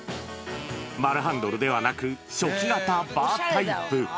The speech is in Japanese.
丸ハンドルではなく初期型バータイプ。